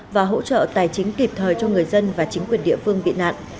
và hỗ trợ tài chính kịp thời cho người dân và chính quyền địa phương bị nạn